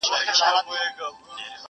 زما یادیږي چي سپین ږیرو به ویله!!